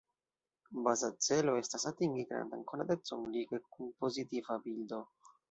Baza celo estas atingi grandan konatecon lige kun pozitiva bildo.